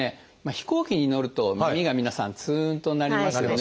飛行機に乗ると耳が皆さんつんとなりますよね。